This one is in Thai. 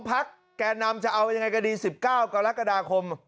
๒ภักดิ์แก่นำจะเอายังไงกดี๑๙กวันรัคกระดาศคม